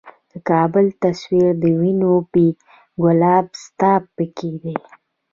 د کـــــــــابل تصویر د وینو ،بې ګلابه ستا پیکی دی